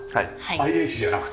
ＩＨじゃなくて。